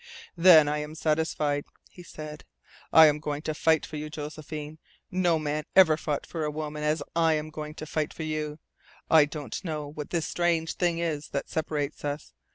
"Then I am satisfied," he said. "I am going to fight for you, Josephine. No man ever fought for a woman as I am going to fight for you. I don't know what this strange thing is that separates us.